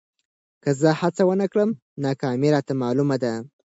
که زه هڅه ونه کړم، ناکامي راته معلومه ده.